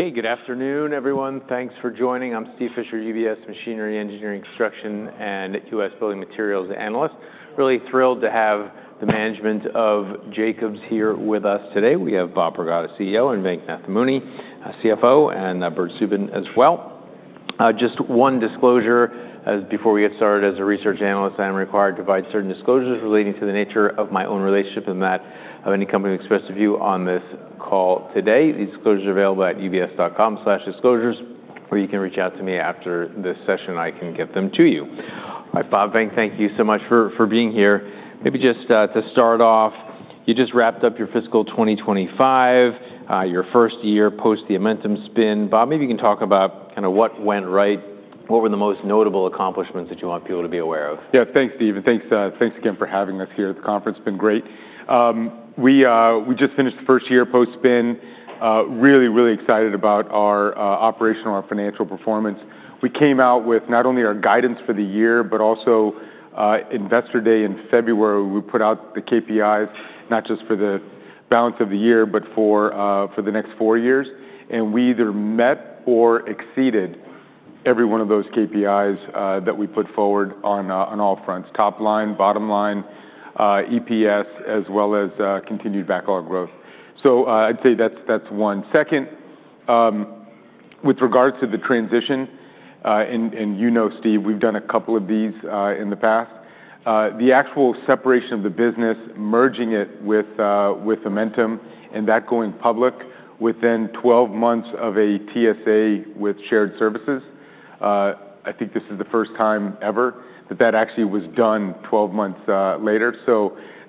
Okay, good afternoon, everyone. Thanks for joining. I'm Steve Fisher, UBS Machinery Engineering Construction and U.S. Building Materials Analyst. Really thrilled to have the management of Jacobs here with us today. We have Bob Pragada, CEO, and Venk Nathamuni, CFO, and Bert Subin as well. Just one disclosure before we get started: as a research analyst, I am required to provide certain disclosures relating to the nature of my own relationship and that of any company we express a view on this call today. These disclosures are available at ubs.com/disclosures, or you can reach out to me after this session; I can get them to you. All right, Bob, Venk, thank you so much for being here. Maybe just to start off, you just wrapped up your fiscal 2025, your first year post the Momentum spin. Bob, maybe you can talk about kind of what went right, what were the most notable accomplishments that you want people to be aware of? Yeah, thanks, Steve. Thanks again for having us here at the conference. It's been great. We just finished the first year post-spin. Really, really excited about our operational, our financial performance. We came out with not only our guidance for the year, but also Investor Day in February, we put out the KPIs, not just for the balance of the year, but for the next four years. We either met or exceeded every one of those KPIs that we put forward on all fronts: top line, bottom line, EPS, as well as continued backlog growth. I'd say that's one. Second, with regards to the transition, and you know, Steve, we've done a couple of these in the past. The actual separation of the business, merging it with Momentum and that going public within 12 months of a TSA with shared services. I think this is the first time ever that that actually was done 12 months later.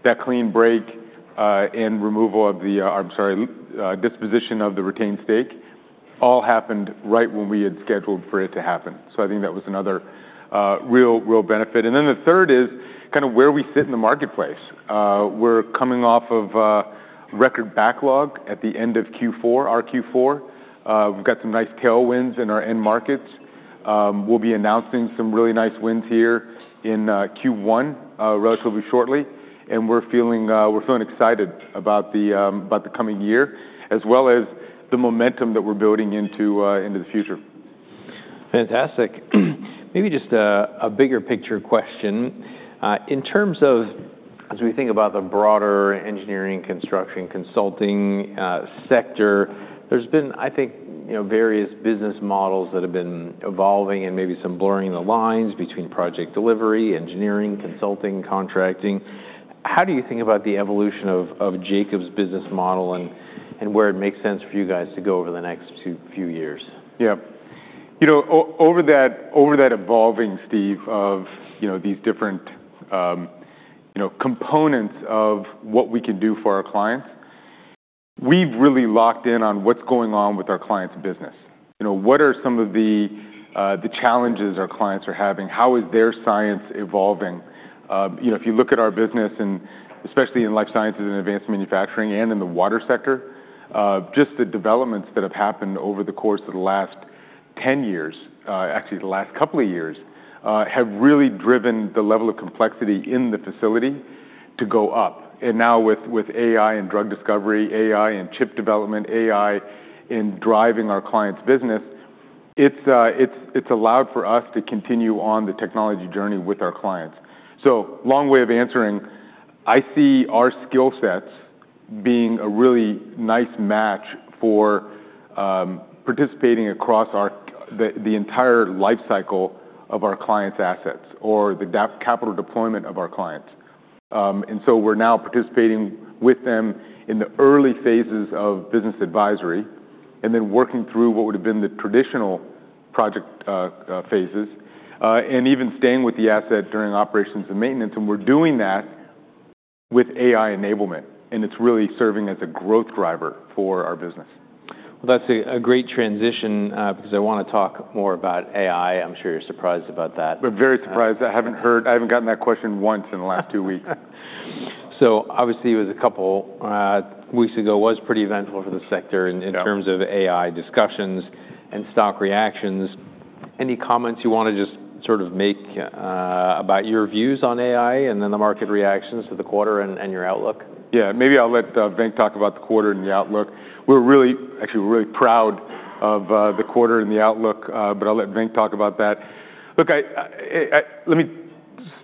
That clean break and removal of the, I'm sorry, disposition of the retained stake all happened right when we had scheduled for it to happen. I think that was another real, real benefit. The third is kind of where we sit in the marketplace. We're coming off of record backlog at the end of Q4, our Q4. We've got some nice tailwinds in our end markets. We'll be announcing some really nice wins here in Q1 relatively shortly. We're feeling excited about the coming year, as well as the momentum that we're building into the future. Fantastic. Maybe just a bigger picture question. In terms of, as we think about the broader engineering construction consulting sector, there's been, I think, various business models that have been evolving and maybe some blurring the lines between project delivery, engineering, consulting, contracting. How do you think about the evolution of Jacobs' business model and where it makes sense for you guys to go over the next few years? Yeah. You know, over that evolving, Steve, of these different components of what we can do for our clients, we've really locked in on what's going on with our clients' business. What are some of the challenges our clients are having? How is their science evolving? If you look at our business, and especially in life sciences and advanced manufacturing and in the water sector, just the developments that have happened over the course of the last 10 years, actually the last couple of years, have really driven the level of complexity in the facility to go up. Now with AI and drug discovery, AI and chip development, AI in driving our clients' business, it's allowed for us to continue on the technology journey with our clients. I see our skill sets being a really nice match for participating across the entire lifecycle of our clients' assets or the capital deployment of our clients. We are now participating with them in the early phases of business advisory and then working through what would have been the traditional project phases and even staying with the asset during operations and maintenance. We are doing that with AI enablement. It is really serving as a growth driver for our business. That's a great transition because I want to talk more about AI. I'm sure you're surprised about that. I'm very surprised. I haven't heard, I haven't gotten that question once in the last two weeks. Obviously, it was a couple of weeks ago, was pretty eventful for the sector in terms of AI discussions and stock reactions. Any comments you want to just sort of make about your views on AI and then the market reactions to the quarter and your outlook? Yeah, maybe I'll let Venk talk about the quarter and the outlook. We're really, actually, we're really proud of the quarter and the outlook, but I'll let Venk talk about that. Look, let me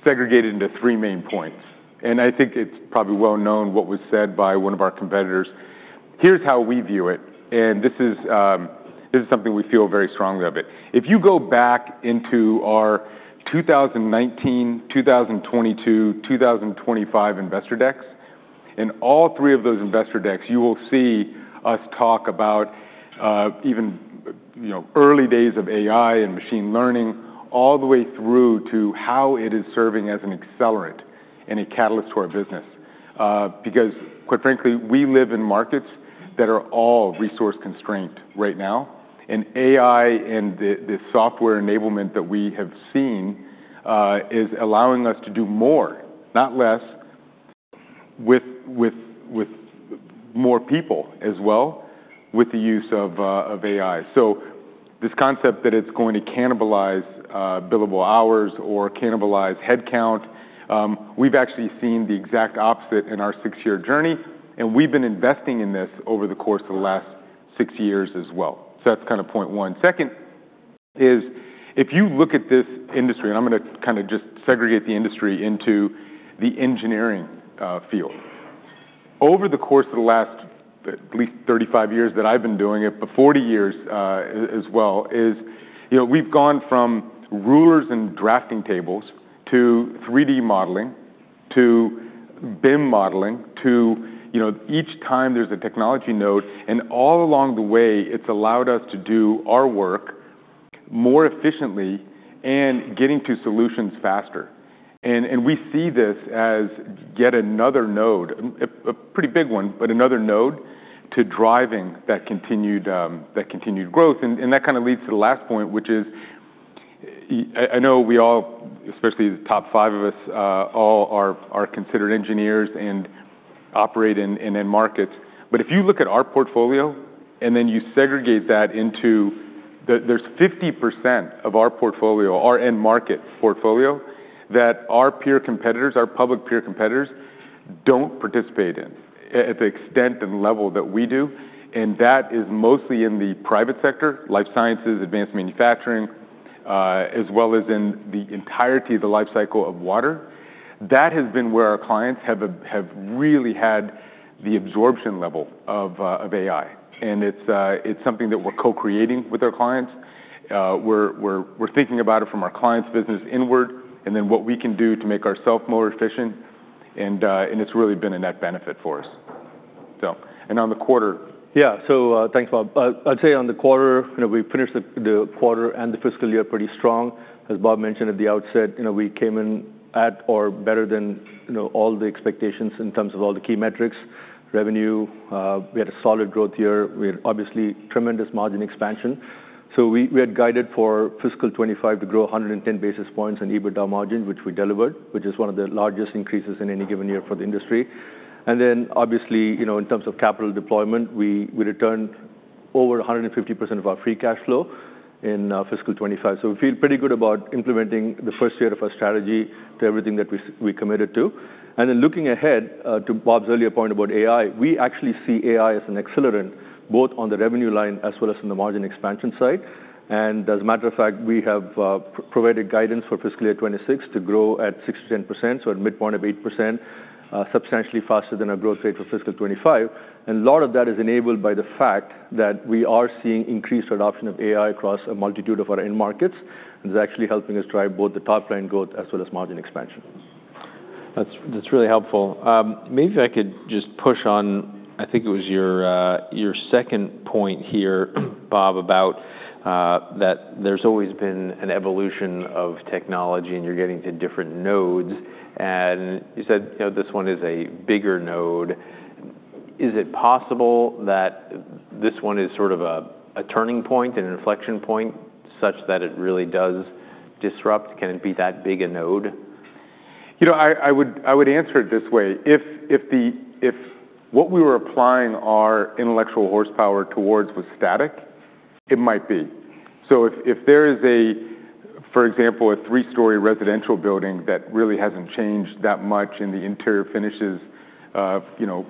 segregate it into three main points. I think it's probably well known what was said by one of our competitors. Here's how we view it. This is something we feel very strongly of it. If you go back into our 2019, 2022, 2025 investor decks, in all three of those investor decks, you will see us talk about even early days of AI and machine learning all the way through to how it is serving as an accelerant and a catalyst to our business. Because quite frankly, we live in markets that are all resource constrained right now. AI and the software enablement that we have seen is allowing us to do more, not less, with more people as well with the use of AI. This concept that it's going to cannibalize billable hours or cannibalize headcount, we've actually seen the exact opposite in our six-year journey. We've been investing in this over the course of the last six years as well. That's kind of point one. Second is, if you look at this industry, and I'm going to kind of just segregate the industry into the engineering field. Over the course of the last at least 35 years that I've been doing it, but 40 years as well, we've gone from rulers and drafting tables to 3D modeling to BIM modeling to each time there's a technology node. All along the way, it's allowed us to do our work more efficiently and getting to solutions faster. We see this as yet another node, a pretty big one, but another node to driving that continued growth. That kind of leads to the last point, which is I know we all, especially the top five of us, all are considered engineers and operate in end markets. If you look at our portfolio and then you segregate that into, there's 50% of our portfolio, our end market portfolio, that our peer competitors, our public peer competitors don't participate in at the extent and level that we do. That is mostly in the private sector, life sciences, advanced manufacturing, as well as in the entirety of the lifecycle of water. That has been where our clients have really had the absorption level of AI. It is something that we are co-creating with our clients. We are thinking about it from our clients' business inward and then what we can do to make ourselves more efficient. It has really been a net benefit for us. On the quarter. Yeah, so thanks, Bob. I'd say on the quarter, we finished the quarter and the fiscal year pretty strong. As Bob mentioned at the outset, we came in at or better than all the expectations in terms of all the key metrics, revenue. We had a solid growth year. We had obviously tremendous margin expansion. We had guided for fiscal 2025 to grow 110 basis points in EBITDA margin, which we delivered, which is one of the largest increases in any given year for the industry. Obviously, in terms of capital deployment, we returned over 150% of our free cash flow in fiscal 2025. We feel pretty good about implementing the first year of our strategy to everything that we committed to. Looking ahead to Bob's earlier point about AI, we actually see AI as an accelerant both on the revenue line as well as on the margin expansion side. As a matter of fact, we have provided guidance for fiscal year 2026 to grow at 6%-10%, so at midpoint of 8%, substantially faster than our growth rate for fiscal 2025. A lot of that is enabled by the fact that we are seeing increased adoption of AI across a multitude of our end markets. It is actually helping us drive both the top line growth as well as margin expansion. That's really helpful. Maybe if I could just push on, I think it was your second point here, Bob, about that there's always been an evolution of technology and you're getting to different nodes. You said this one is a bigger node. Is it possible that this one is sort of a turning point, an inflection point, such that it really does disrupt? Can it be that big a node? You know, I would answer it this way. If what we were applying our intellectual horsepower towards was static, it might be. If there is, for example, a three-story residential building that really has not changed that much in the interior finishes,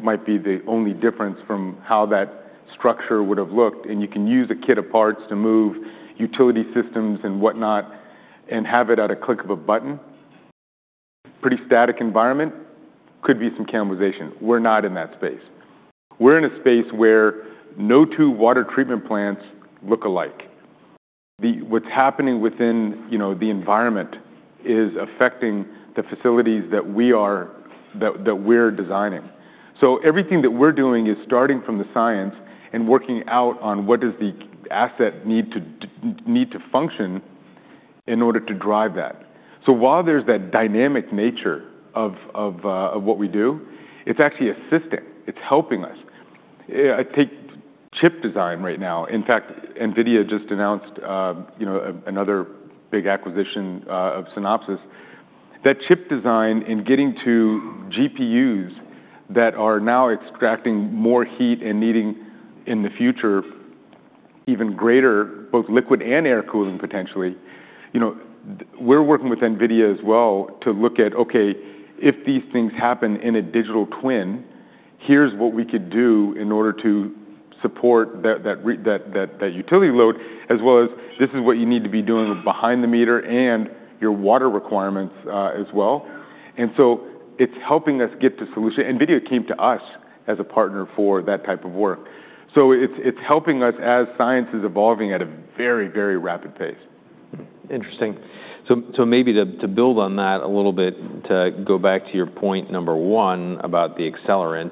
might be the only difference from how that structure would have looked. You can use a kit of parts to move utility systems and whatnot and have it at a click of a button. Pretty static environment, could be some cannibalization. We are not in that space. We are in a space where no two water treatment plants look alike. What is happening within the environment is affecting the facilities that we are designing. Everything that we are doing is starting from the science and working out on what does the asset need to function in order to drive that. While there's that dynamic nature of what we do, it's actually assisting. It's helping us. I take chip design right now. In fact, NVIDIA just announced another big acquisition of Synopsys. That chip design and getting to GPUs that are now extracting more heat and needing in the future even greater both liquid and air cooling potentially. We're working with NVIDIA as well to look at, okay, if these things happen in a digital twin, here's what we could do in order to support that utility load, as well as this is what you need to be doing behind the meter and your water requirements as well. It's helping us get to solution. NVIDIA came to us as a partner for that type of work. It's helping us as science is evolving at a very, very rapid pace. Interesting. Maybe to build on that a little bit, to go back to your point number one about the accelerant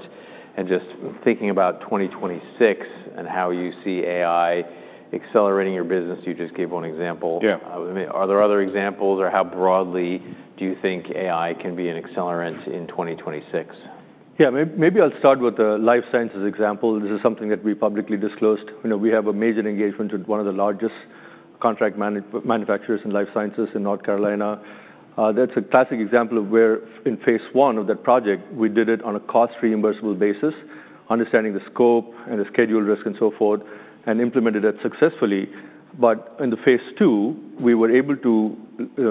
and just thinking about 2026 and how you see AI accelerating your business, you just gave one example. Are there other examples or how broadly do you think AI can be an accelerant in 2026? Yeah, maybe I'll start with the life sciences example. This is something that we publicly disclosed. We have a major engagement with one of the largest contract manufacturers in life sciences in North Carolina. That's a classic example of where in phase one of that project, we did it on a cost reimbursable basis, understanding the scope and the schedule risk and so forth, and implemented it successfully. In the phase two, we were able to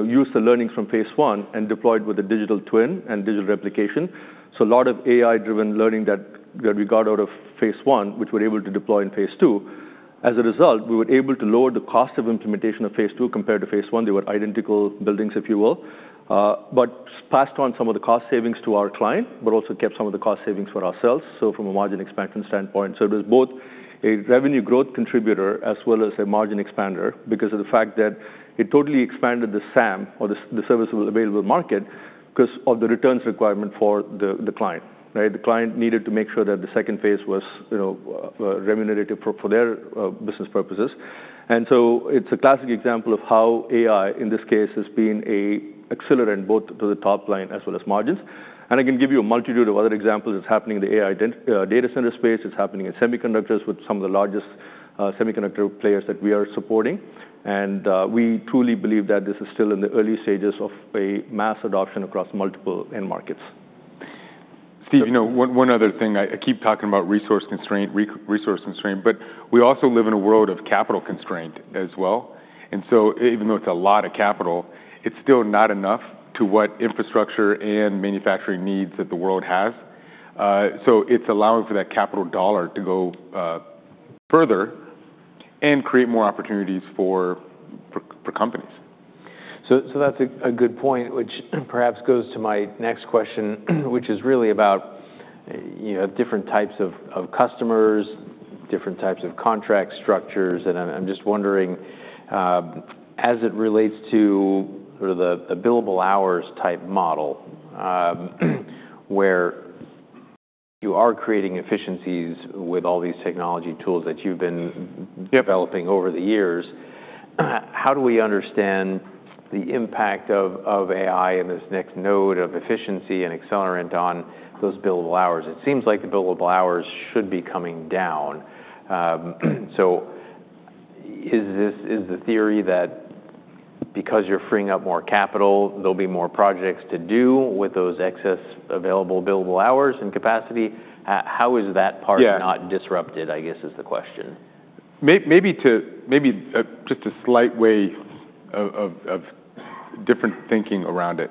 use the learnings from phase one and deploy it with a digital twin and digital replication. A lot of AI-driven learning that we got out of phase one, which we were able to deploy in phase two. As a result, we were able to lower the cost of implementation of phase two compared to phase one. They were identical buildings, if you will, but passed on some of the cost savings to our client, but also kept some of the cost savings for ourselves. From a margin expansion standpoint, it was both a revenue growth contributor as well as a margin expander because of the fact that it totally expanded the SAM or the service available market because of the returns requirement for the client. The client needed to make sure that the second phase was remunerative for their business purposes. It is a classic example of how AI in this case has been an accelerant both to the top line as well as margins. I can give you a multitude of other examples. It is happening in the AI data center space. It is happening in semiconductors with some of the largest semiconductor players that we are supporting. We truly believe that this is still in the early stages of a mass adoption across multiple end markets. Steve, you know one other thing. I keep talking about resource constraint, but we also live in a world of capital constraint as well. Even though it's a lot of capital, it's still not enough to what infrastructure and manufacturing needs that the world has. It's allowing for that capital dollar to go further and create more opportunities for companies. That is a good point, which perhaps goes to my next question, which is really about different types of customers, different types of contract structures. I am just wondering, as it relates to the billable hours type model where you are creating efficiencies with all these technology tools that you have been developing over the years, how do we understand the impact of AI and this next node of efficiency and accelerant on those billable hours? It seems like the billable hours should be coming down. Is the theory that because you are freeing up more capital, there will be more projects to do with those excess available billable hours and capacity? How is that part not disrupted, I guess, is the question. Maybe just a slight way of different thinking around it.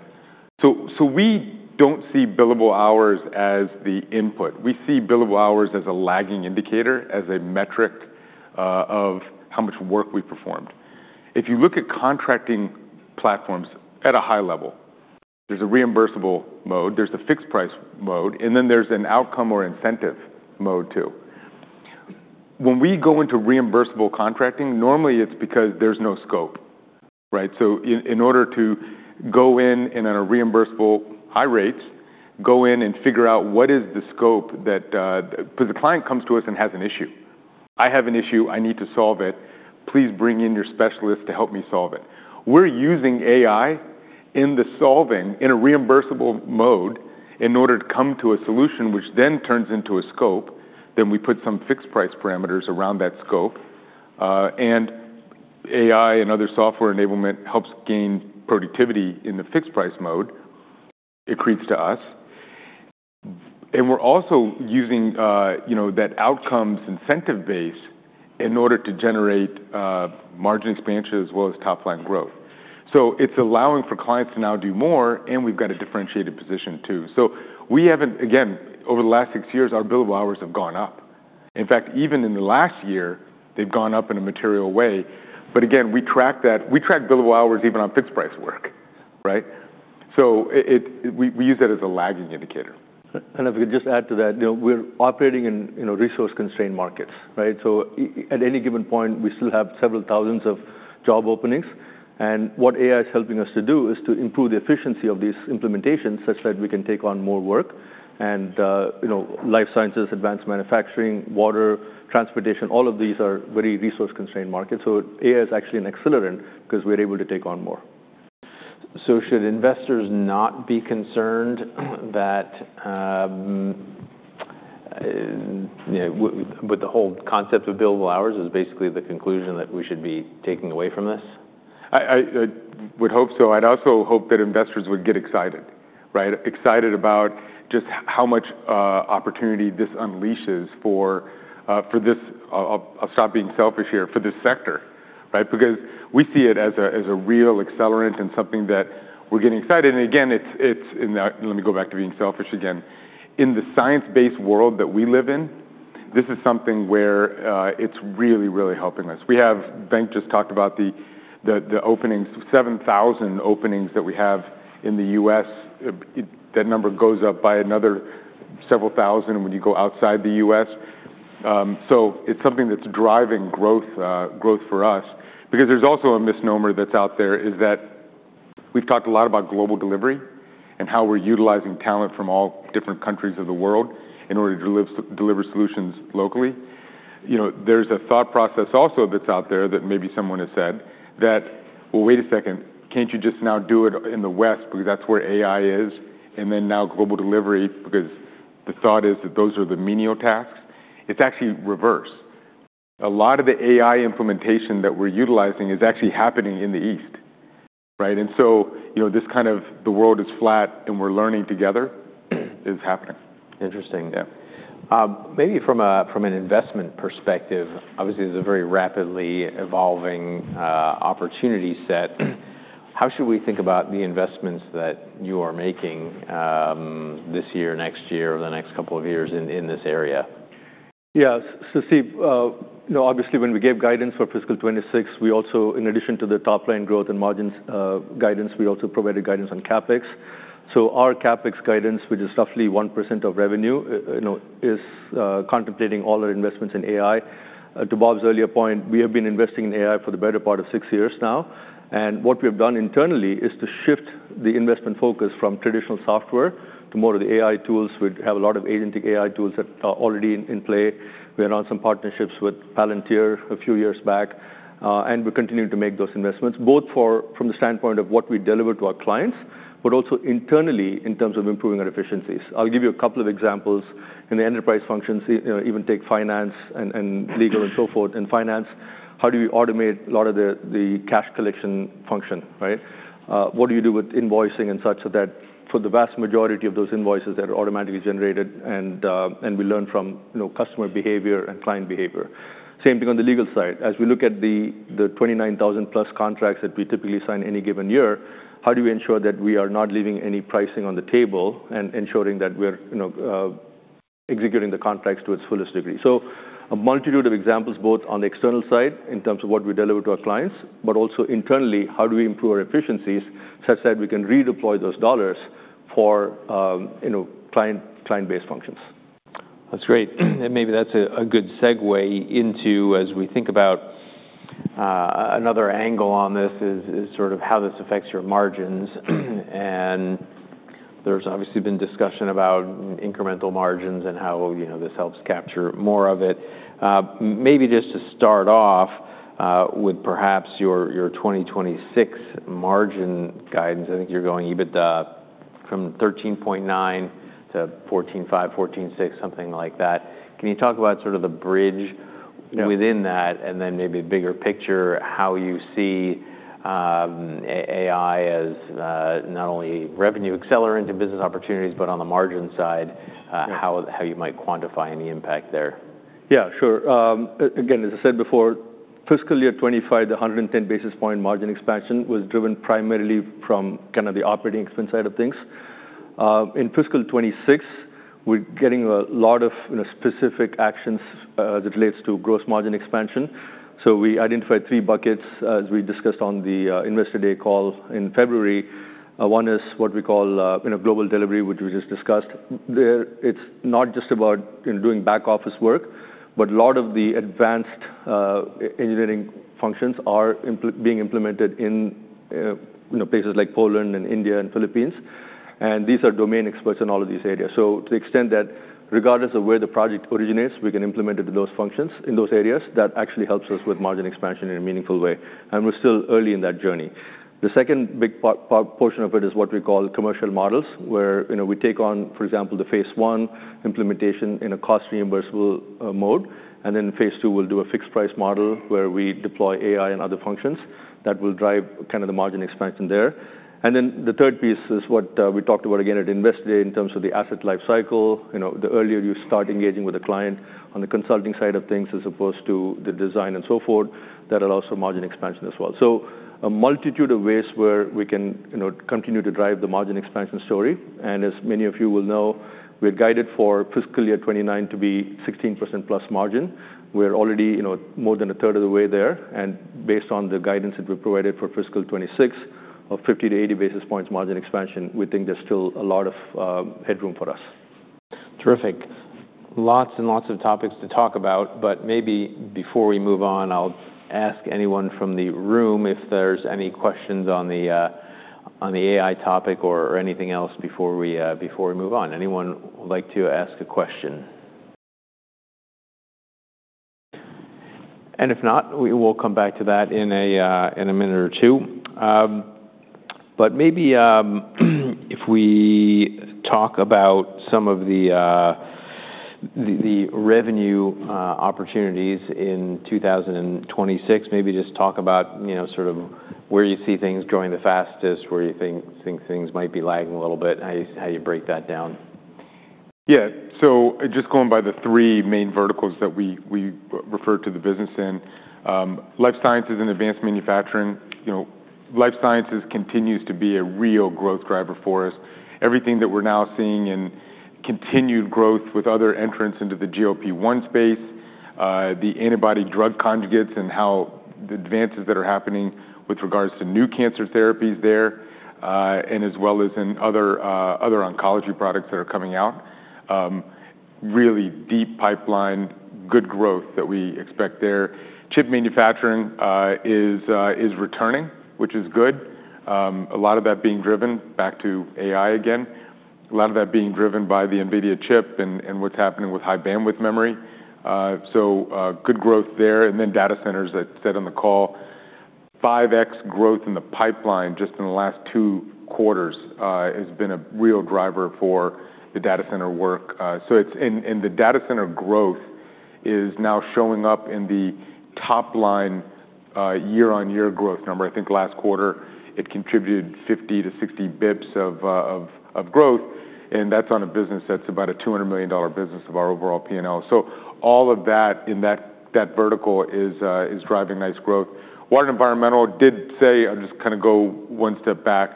We do not see billable hours as the input. We see billable hours as a lagging indicator, as a metric of how much work we performed. If you look at contracting platforms at a high level, there is a reimbursable mode, there is a fixed price mode, and then there is an outcome or incentive mode too. When we go into reimbursable contracting, normally it is because there is no scope. In order to go in and on a reimbursable high rate, go in and figure out what is the scope because the client comes to us and has an issue. I have an issue. I need to solve it. Please bring in your specialist to help me solve it. We are using AI in the solving in a reimbursable mode in order to come to a solution, which then turns into a scope. We put some fixed price parameters around that scope. AI and other software enablement helps gain productivity in the fixed price mode. It creeps to us. We are also using that outcomes incentive base in order to generate margin expansion as well as top line growth. It is allowing for clients to now do more, and we have got a differentiated position too. We have not, again, over the last six years, our billable hours have gone up. In fact, even in the last year, they have gone up in a material way. Again, we track that. We track billable hours even on fixed price work. We use that as a lagging indicator. If I could just add to that, we're operating in resource constrained markets. At any given point, we still have several thousands of job openings. What AI is helping us to do is to improve the efficiency of these implementations such that we can take on more work. Life sciences, advanced manufacturing, water, transportation, all of these are very resource constrained markets. AI is actually an accelerant because we're able to take on more. Should investors not be concerned that with the whole concept of billable hours is basically the conclusion that we should be taking away from this? I would hope so. I'd also hope that investors would get excited, excited about just how much opportunity this unleashes for this, I'll stop being selfish here, for this sector. Because we see it as a real accelerant and something that we're getting excited. Let me go back to being selfish again. In the science-based world that we live in, this is something where it's really, really helping us. We have, Venk just talked about the openings, 7,000 openings that we have in the U.S. That number goes up by another several thousand when you go outside the U.S. It's something that's driving growth for us. Because there's also a misnomer that's out there is that we've talked a lot about global delivery and how we're utilizing talent from all different countries of the world in order to deliver solutions locally. There's a thought process also that's out there that maybe someone has said that, well, wait a second, can't you just now do it in the West because that's where AI is? And then now global delivery because the thought is that those are the menial tasks. It's actually reverse. A lot of the AI implementation that we're utilizing is actually happening in the East. And so this kind of the world is flat and we're learning together is happening. Interesting. Maybe from an investment perspective, obviously there is a very rapidly evolving opportunity set. How should we think about the investments that you are making this year, next year, or the next couple of years in this area? Yeah, Steve, obviously when we gave guidance for fiscal 2026, we also, in addition to the top line growth and margins guidance, provided guidance on CapEx. Our CapEx guidance, which is roughly 1% of revenue, is contemplating all our investments in AI. To Bob's earlier point, we have been investing in AI for the better part of six years now. What we have done internally is to shift the investment focus from traditional software to more of the AI tools. We have a lot of agentic AI tools that are already in play. We are on some partnerships with Palantir a few years back. We're continuing to make those investments, both from the standpoint of what we deliver to our clients, but also internally in terms of improving our efficiencies. I'll give you a couple of examples in the enterprise functions. Even take finance and legal and so forth in finance. How do you automate a lot of the cash collection function? What do you do with invoicing and such so that for the vast majority of those invoices that are automatically generated and we learn from customer behavior and client behavior? Same thing on the legal side. As we look at the 29,000 plus contracts that we typically sign any given year, how do we ensure that we are not leaving any pricing on the table and ensuring that we're executing the contracts to its fullest degree? A multitude of examples both on the external side in terms of what we deliver to our clients, but also internally, how do we improve our efficiencies such that we can redeploy those dollars for client-based functions? That's great. Maybe that's a good segue into as we think about another angle on this is sort of how this affects your margins. There's obviously been discussion about incremental margins and how this helps capture more of it. Maybe just to start off with perhaps your 2026 margin guidance, I think you're going even from 13.9-14.5, 14.6, something like that. Can you talk about sort of the bridge within that and then maybe a bigger picture, how you see AI as not only revenue accelerant and business opportunities, but on the margin side, how you might quantify any impact there? Yeah, sure. Again, as I said before, fiscal year 2025, the 110 basis point margin expansion was driven primarily from kind of the operating expense side of things. In fiscal 2026, we're getting a lot of specific actions as it relates to gross margin expansion. We identified three buckets as we discussed on the Investor Day call in February. One is what we call global delivery, which we just discussed. It's not just about doing back office work, but a lot of the advanced engineering functions are being implemented in places like Poland and India and Philippines. These are domain experts in all of these areas. To the extent that regardless of where the project originates, we can implement it to those functions in those areas, that actually helps us with margin expansion in a meaningful way. We're still early in that journey. The second big portion of it is what we call commercial models, where we take on, for example, the phase one implementation in a cost reimbursable mode. Then phase two, we'll do a fixed price model where we deploy AI and other functions that will drive kind of the margin expansion there. The third piece is what we talked about again at Investor Day in terms of the asset life cycle. The earlier you start engaging with a client on the consulting side of things as opposed to the design and so forth, that allows for margin expansion as well. There are a multitude of ways where we can continue to drive the margin expansion story. As many of you will know, we're guided for fiscal year 2029 to be 16%+ margin. We're already more than a third of the way there. Based on the guidance that we provided for fiscal 2026 of 50-80 basis points margin expansion, we think there's still a lot of headroom for us. Terrific. Lots and lots of topics to talk about, but maybe before we move on, I'll ask anyone from the room if there's any questions on the AI topic or anything else before we move on. Anyone would like to ask a question? If not, we will come back to that in a minute or two. Maybe if we talk about some of the revenue opportunities in 2026, maybe just talk about sort of where you see things growing the fastest, where you think things might be lagging a little bit, how you break that down. Yeah, so just going by the three main verticals that we refer to the business in, life sciences and advanced manufacturing, life sciences continues to be a real growth driver for us. Everything that we're now seeing in continued growth with other entrants into the GLP-1 space, the antibody drug conjugates, and how the advances that are happening with regards to new cancer therapies there, and as well as in other oncology products that are coming out, really deep pipeline, good growth that we expect there. Chip manufacturing is returning, which is good. A lot of that being driven back to AI again, a lot of that being driven by the NVIDIA chip and what's happening with high bandwidth memory. Good growth there. Data centers that said on the call, 5X growth in the pipeline just in the last two quarters has been a real driver for the data center work. In the data center, growth is now showing up in the top line year-on-year growth number. I think last quarter, it contributed 50-60 bps of growth. That is on a business that is about a $200 million business of our overall P&L. All of that in that vertical is driving nice growth. Water and environmental did say, I will just kind of go one step back.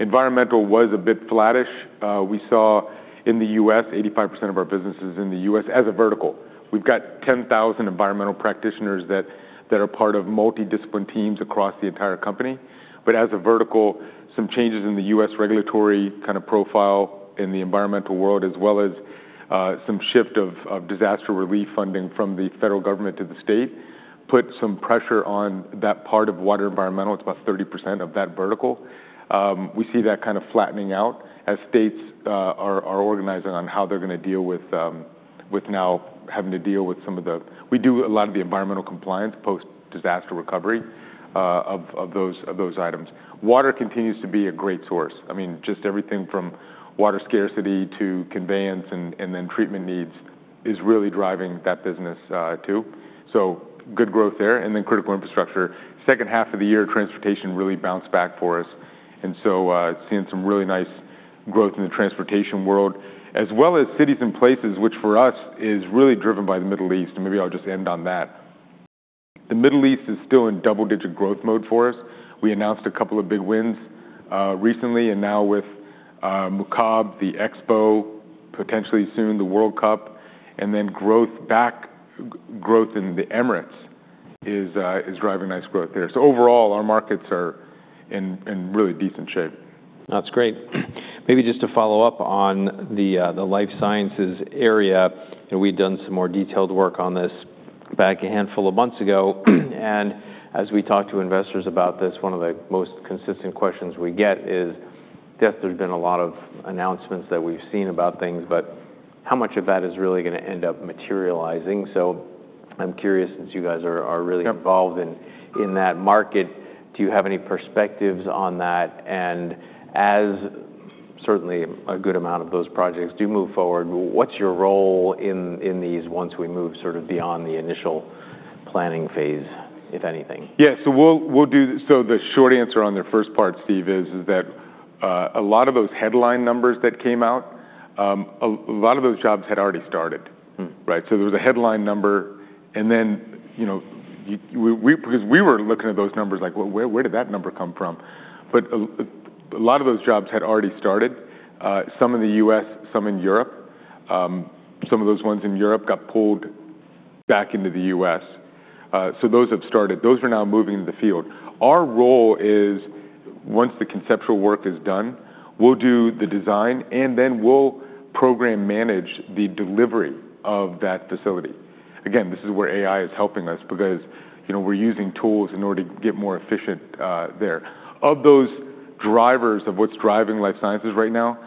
Environmental was a bit flattish. We saw in the U.S., 85% of our business is in the U.S. as a vertical. We have 10,000 environmental practitioners that are part of multidisciplinary teams across the entire company. As a vertical, some changes in the U.S. regulatory kind of profile in the environmental world, as well as some shift of disaster relief funding from the federal government to the state, put some pressure on that part of water and environmental. It's about 30% of that vertical. We see that kind of flattening out as states are organizing on how they're going to deal with now having to deal with some of the, we do a lot of the environmental compliance post-disaster recovery of those items. Water continues to be a great source. I mean, just everything from water scarcity to conveyance and then treatment needs is really driving that business too. Good growth there. Critical infrastructure. Second half of the year, transportation really bounced back for us. Seeing some really nice growth in the transportation world, as well as cities and places, which for us is really driven by the Middle East. Maybe I'll just end on that. The Middle East is still in double-digit growth mode for us. We announced a couple of big wins recently and now with Mukaab, the expo, potentially soon the World Cup. Growth back, growth in the Emirates is driving nice growth there. Overall, our markets are in really decent shape. That's great. Maybe just to follow up on the life sciences area, we've done some more detailed work on this back a handful of months ago. As we talk to investors about this, one of the most consistent questions we get is, yes, there's been a lot of announcements that we've seen about things, but how much of that is really going to end up materializing? I'm curious, since you guys are really involved in that market, do you have any perspectives on that? As certainly a good amount of those projects do move forward, what's your role in these once we move sort of beyond the initial planning phase, if anything? Yeah, the short answer on the first part, Steve, is that a lot of those headline numbers that came out, a lot of those jobs had already started. There was a headline number. Because we were looking at those numbers, like, where did that number come from? A lot of those jobs had already started. Some in the U.S., some in Europe. Some of those ones in Europe got pulled back into the U.S. Those have started. Those are now moving into the field. Our role is, once the conceptual work is done, we'll do the design and then we'll program manage the delivery of that facility. This is where AI is helping us because we're using tools in order to get more efficient there. Of those drivers of what's driving life sciences right now,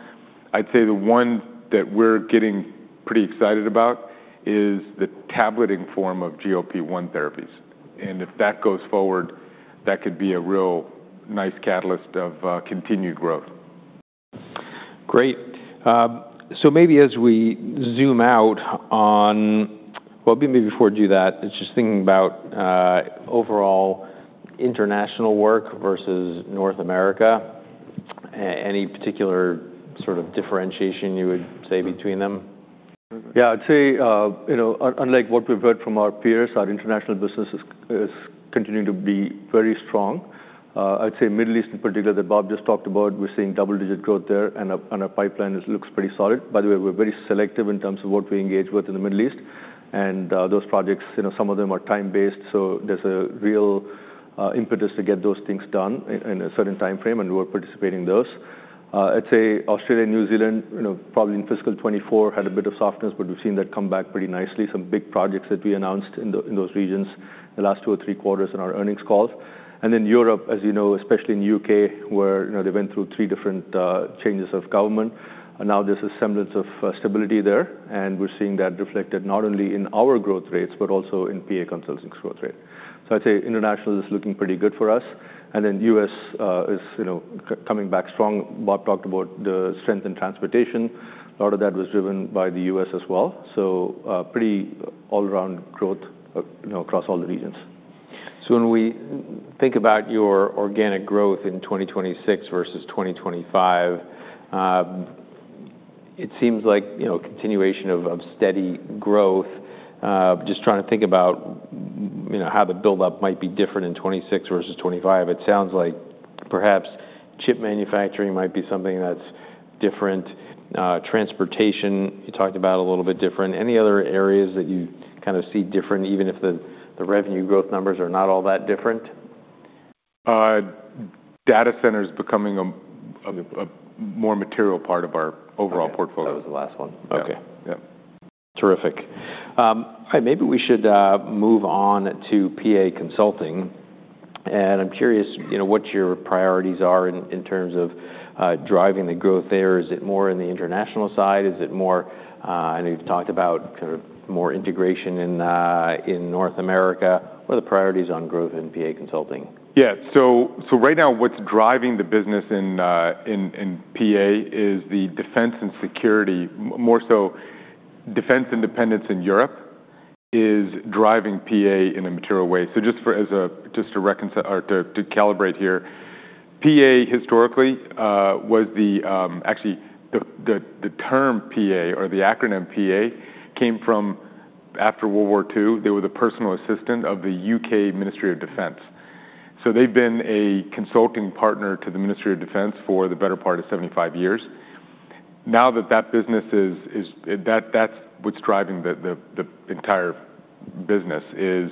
I'd say the one that we're getting pretty excited about is the tableting form of GLP-1 therapies. If that goes forward, that could be a real nice catalyst of continued growth. Great. Maybe as we zoom out on, well, maybe before we do that, just thinking about overall international work versus North America, any particular sort of differentiation you would say between them? Yeah, I'd say unlike what we've heard from our peers, our international business is continuing to be very strong. I'd say Middle East in particular that Bob just talked about, we're seeing double-digit growth there and our pipeline looks pretty solid. By the way, we're very selective in terms of what we engage with in the Middle East. Those projects, some of them are time-based. There's a real impetus to get those things done in a certain time frame and we're participating in those. I'd say Australia, New Zealand, probably in fiscal 2024 had a bit of softness, but we've seen that come back pretty nicely. Some big projects that we announced in those regions in the last two or three quarters in our earnings calls. You know, Europe, especially in the U.K., where they went through three different changes of government. Now there's a semblance of stability there. We're seeing that reflected not only in our growth rates, but also in PA Consulting's growth rate. I'd say international is looking pretty good for us. The U.S. is coming back strong. Bob talked about the strength in transportation. A lot of that was driven by the U.S. as well. Pretty all-around growth across all the regions. When we think about your organic growth in 2026 versus 2025, it seems like continuation of steady growth. Just trying to think about how the buildup might be different in 2026 versus 2025. It sounds like perhaps chip manufacturing might be something that's different. Transportation, you talked about a little bit different. Any other areas that you kind of see different, even if the revenue growth numbers are not all that different? Data centers becoming a more material part of our overall portfolio. That was the last one. Okay. Terrific. All right, maybe we should move on to PA Consulting. I'm curious what your priorities are in terms of driving the growth there. Is it more in the international side? Is it more, I know you've talked about kind of more integration in North America. What are the priorities on growth in PA Consulting? Yeah, so right now what's driving the business in PA is the defense and security, more so defense independence in Europe is driving PA in a material way. Just to calibrate here, PA historically was the, actually the term PA or the acronym PA came from after World War II, they were the personal assistant of the U.K. Ministry of Defence. They've been a consulting partner to the Ministry of Defence for the better part of 75 years. Now that business is, that's what's driving the entire business is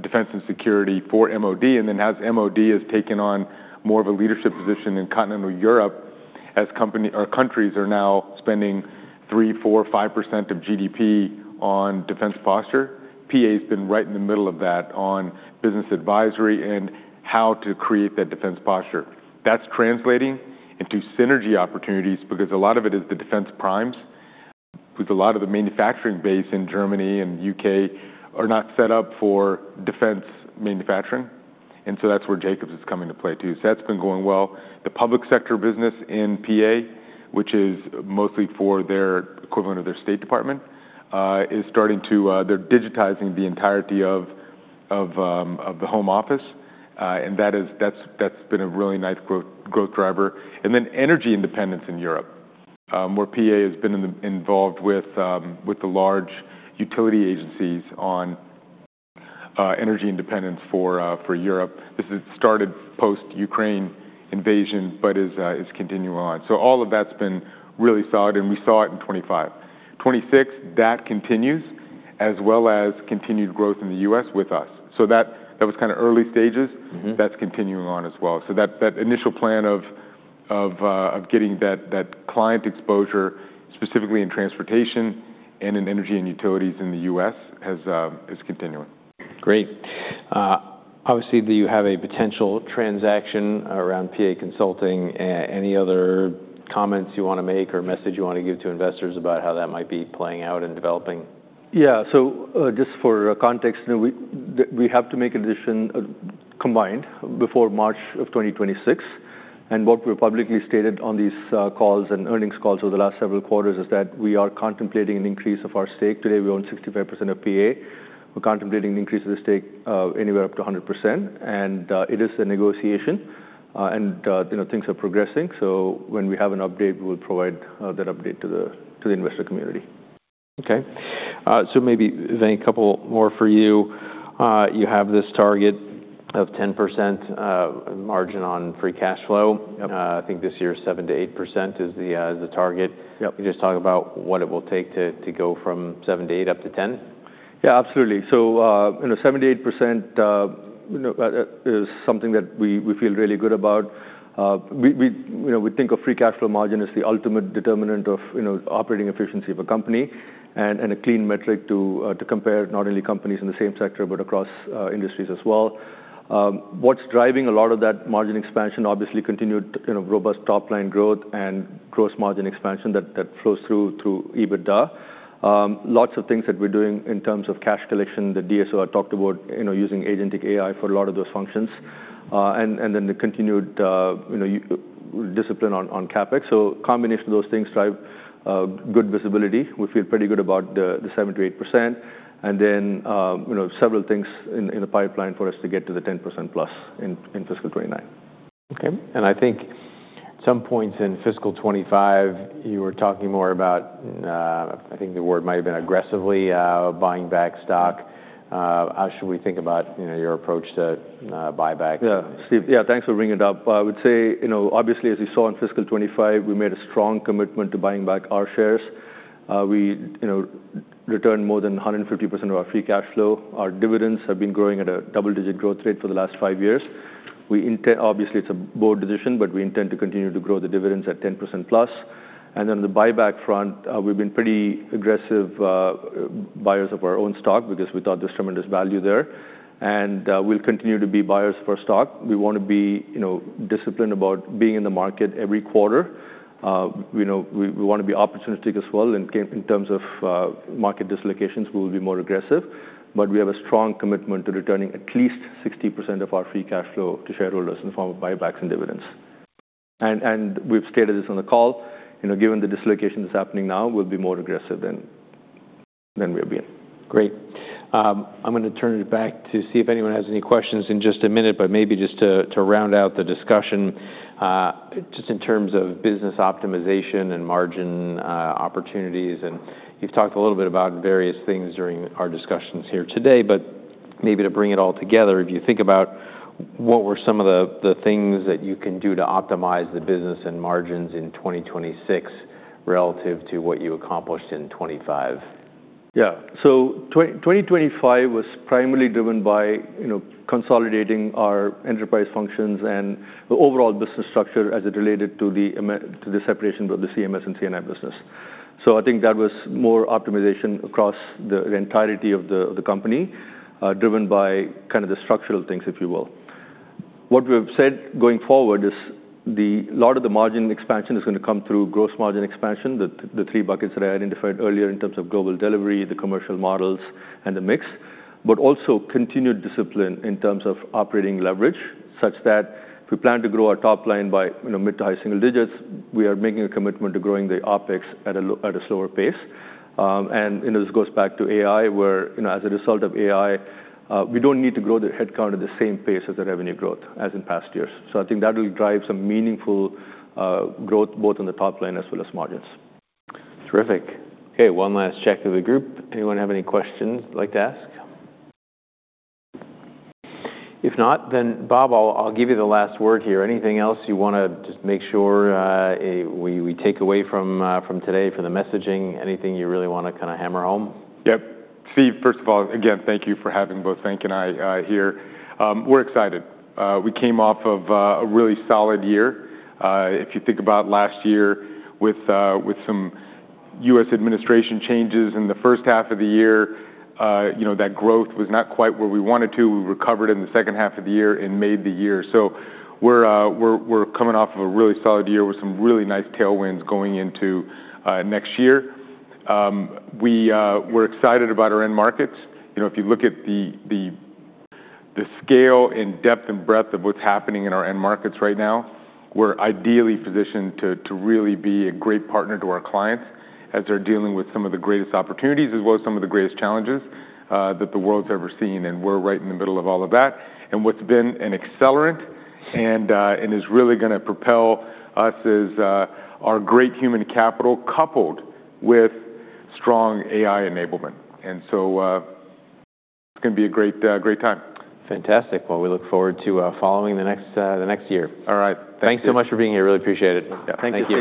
defense and security for MOD. As MOD has taken on more of a leadership position in continental Europe, as countries are now spending 3%, 4%, 5% of GDP on defense posture, PA has been right in the middle of that on business advisory and how to create that defense posture. That's translating into synergy opportunities because a lot of it is the defense primes, because a lot of the manufacturing base in Germany and U.K. are not set up for defense manufacturing. That is where Jacobs is coming to play too. That has been going well. The public sector business in PA, which is mostly for their equivalent of their State Department, is starting to, they're digitizing the entirety of the Home Office. That has been a really nice growth driver. Then energy independence in Europe, where PA has been involved with the large utility agencies on energy independence for Europe. This started post-Ukraine invasion, but is continuing on. All of that has been really solid. We saw it in 2025. In 2026, that continues as well as continued growth in the U.S. with us. That was kind of early stages. That is continuing on as well. That initial plan of getting that client exposure, specifically in transportation and in energy and utilities in the U.S., is continuing. Great. Obviously, you have a potential transaction around PA Consulting. Any other comments you want to make or message you want to give to investors about how that might be playing out and developing? Yeah, just for context, we have to make a decision combined before March of 2026. What we've publicly stated on these calls and earnings calls over the last several quarters is that we are contemplating an increase of our stake. Today, we own 65% of PA. We're contemplating an increase of the stake anywhere up to 100%. It is a negotiation. Things are progressing. When we have an update, we will provide that update to the investor community. Okay. Maybe a couple more for you. You have this target of 10% margin on free cash flow. I think this year 7%-8% is the target. You just talk about what it will take to go from 7%-8% up to 10%? Yeah, absolutely. 7%-8% is something that we feel really good about. We think of free cash flow margin as the ultimate determinant of operating efficiency of a company and a clean metric to compare not only companies in the same sector, but across industries as well. What's driving a lot of that margin expansion, obviously continued robust top line growth and gross margin expansion that flows through EBITDA. Lots of things that we're doing in terms of cash collection. The DSO I talked about using agentic AI for a lot of those functions. The continued discipline on CapEx. A combination of those things drive good visibility. We feel pretty good about the 7%-8%. Several things in the pipeline for us to get to the 10%+ in fiscal 2029. Okay. I think at some points in fiscal 2025, you were talking more about, I think the word might have been aggressively buying back stock. How should we think about your approach to buyback? Yeah, Steve, yeah, thanks for bringing it up. I would say, obviously, as you saw in fiscal 2025, we made a strong commitment to buying back our shares. We returned more than 150% of our free cash flow. Our dividends have been growing at a double-digit growth rate for the last five years. Obviously, it's a board decision, but we intend to continue to grow the dividends at 10%+. On the buyback front, we've been pretty aggressive buyers of our own stock because we thought there's tremendous value there. We'll continue to be buyers for stock. We want to be disciplined about being in the market every quarter. We want to be opportunistic as well. In terms of market dislocations, we will be more aggressive. We have a strong commitment to returning at least 60% of our free cash flow to shareholders in the form of buybacks and dividends. We have stated this on the call. Given the dislocation that is happening now, we will be more aggressive than we have been. Great. I'm going to turn it back to see if anyone has any questions in just a minute, but maybe just to round out the discussion, just in terms of business optimization and margin opportunities. You've talked a little bit about various things during our discussions here today, but maybe to bring it all together, if you think about what were some of the things that you can do to optimize the business and margins in 2026 relative to what you accomplished in 2025? Yeah. 2025 was primarily driven by consolidating our enterprise functions and the overall business structure as it related to the separation of the CMS and C&I business. I think that was more optimization across the entirety of the company, driven by kind of the structural things, if you will. What we've said going forward is a lot of the margin expansion is going to come through gross margin expansion, the three buckets that I identified earlier in terms of global delivery, the commercial models, and the mix. Also, continued discipline in terms of operating leverage, such that if we plan to grow our top line by mid to high single digits, we are making a commitment to growing the OpEx at a slower pace. This goes back to AI, where as a result of AI, we do not need to grow the headcount at the same pace as the revenue growth as in past years. I think that will drive some meaningful growth, both on the top line as well as margins. Terrific. Okay, one last check of the group. Anyone have any questions you'd like to ask? If not, then Bob, I'll give you the last word here. Anything else you want to just make sure we take away from today for the messaging? Anything you really want to kind of hammer home? Yep. Steve, first of all, again, thank you for having both Venk and I here. We're excited. We came off of a really solid year. If you think about last year with some U.S. administration changes in the first half of the year, that growth was not quite where we wanted to. We recovered in the second half of the year and made the year. We're coming off of a really solid year with some really nice tailwinds going into next year. We're excited about our end markets. If you look at the scale and depth and breadth of what's happening in our end markets right now, we're ideally positioned to really be a great partner to our clients as they're dealing with some of the greatest opportunities, as well as some of the greatest challenges that the world's ever seen. We're right in the middle of all of that. What's been an accelerant and is really going to propel us is our great human capital coupled with strong AI enablement. It's going to be a great time. Fantastic. We look forward to following the next year. All right. Thanks. Thanks so much for being here. Really appreciate it. Thank you.